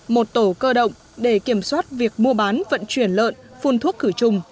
một tổ cơ động để kiểm soát việc mua bán vận chuyển lợn phun thuốc khử trùng